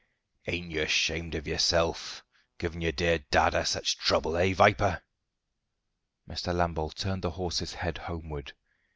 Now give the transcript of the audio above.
"Ain't you ashamed of yourself, giving your dear dada such trouble, eh, Viper?" Mr. Lambole turned the horse's head homeward.